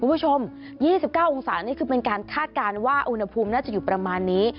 คุณผู้ชม๒๙องศานี่คือเป็นการคาดการณ์ว่าอุณหภูมิน่าจะอยู่ประมาณนี้